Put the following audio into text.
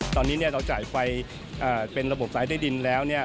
ตอนนี้เราจ่ายไฟเป็นระบบสายใต้ดินแล้ว